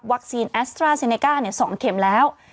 วัคซีนแอสตราเซเนกา๒เข็มแล้ว